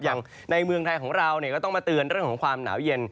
อย่างในเมืองไทยของเราก็ต้องมาเตือนเรื่องของความหนาวเย็น